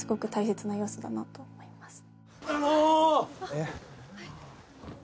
えっ？